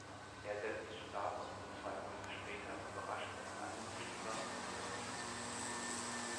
Er selbst starb aber nur zwei Monate später überraschend an einem Fieber und Blutsturz.